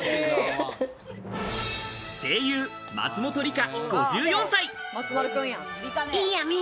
声優・松本梨香５４歳。